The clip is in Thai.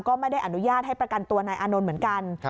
ก็ไม่ได้อนุญาตให้ประกันตัวนายอานนท์เหมือนกัน